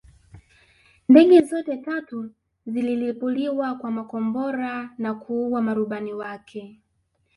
Ndege zote tatu zililipuliwa kwa makombora na kuua marubani wake